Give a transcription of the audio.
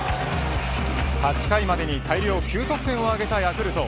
８回までに大量９得点を挙げたヤクルト。